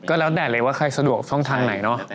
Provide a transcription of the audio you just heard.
ก็แล้วแต่เลยว่าใครสะดวกช่องทางไหนเนาะ